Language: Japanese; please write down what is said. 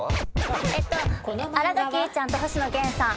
えっと新垣結衣ちゃんと星野源さん。